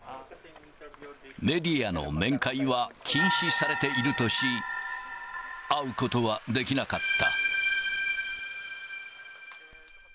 メディアの面会は禁止されているとし、会うことはできなかった。